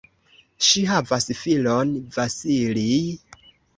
Ŝi havas filon "Vasilij".